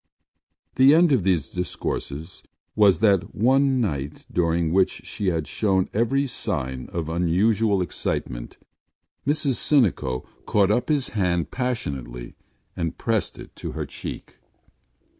The end of these discourses was that one night during which she had shown every sign of unusual excitement, Mrs Sinico caught up his hand passionately and pressed it to her cheek.